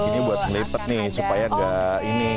ini buat melipat nih supaya nggak ini